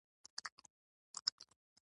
ښوونځی ماشومانو ته د کار اصول ورزده کوي.